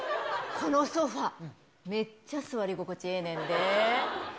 このソファ、めっちゃ座り心地ええねんで。